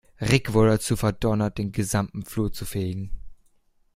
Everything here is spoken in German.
Rick wurde dazu verdonnert, den gesamten Flur zu fegen.